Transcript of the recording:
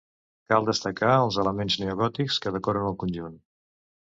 Cal destacar els elements neogòtics que decoren el conjunt.